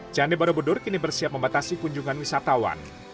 candi borobudur kini bersiap membatasi kunjungan wisatawan